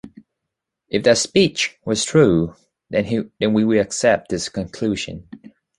If that speech was true, then we will accept this conclusion.